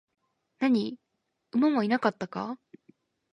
何、馬はいなかったか?